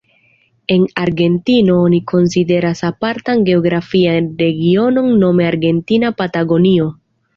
En Argentino oni konsideras apartan geografian regionon nome Argentina Patagonio.